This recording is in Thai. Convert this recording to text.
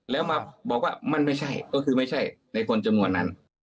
แล้วมาบอกว่ามันไม่ใช่ก็คือไม่ใช่ในคนจำนวนนั้น